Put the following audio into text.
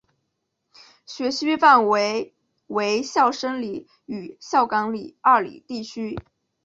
学区范围为孝深里与孝冈里二里地区。